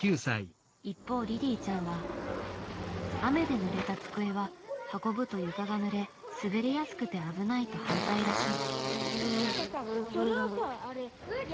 一方りりぃちゃんは雨でぬれた机は運ぶと床がぬれ滑りやすくて危ないと反対らしい。